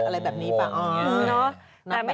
วง๑๐๑อะไรแบบนี้ป่ะ